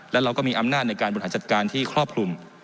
และเราก็มีอำนาจในการบริหารจัดการที่ครอบคลุม